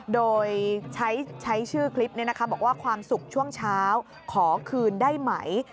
โดยใช้ชื่อคลิปนี้นะคะบอกว่าความสุขช่วงเช้าขอคืนได้ไหม